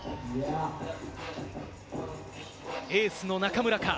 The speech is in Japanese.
エースの中村か？